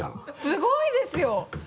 すごいですよ！